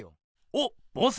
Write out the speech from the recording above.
おっボス！